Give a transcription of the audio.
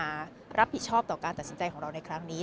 ไม่สมควรที่จะต้องมารับผิดชอบต่อการตัดสินใจของเราในครั้งนี้